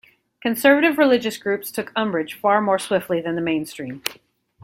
Conservative religious groups took umbrage far more swiftly than the mainstream.